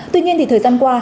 tuy nhiên thì thời gian qua